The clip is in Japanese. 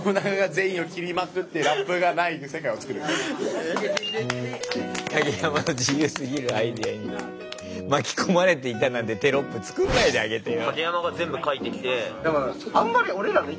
「カゲヤマの自由すぎるアイデアに巻き込まれていた」なんてテロップ作んないであげてよ。